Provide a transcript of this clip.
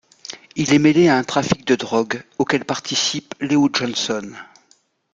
Il est mêlé à un trafic de drogue auquel participe Leo Johnson.